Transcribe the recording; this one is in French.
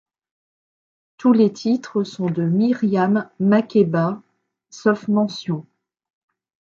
Tous les titres sont de Miriam Makeba, sauf mentions.